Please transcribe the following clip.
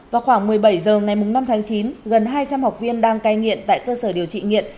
vào khoảng một mươi bảy h ngày năm tháng chín gần hai trăm linh học viên đang cai nghiện tại cơ sở điều trị nghiện